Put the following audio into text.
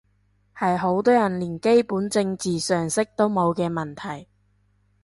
係好多人連基本政治常識都冇嘅問題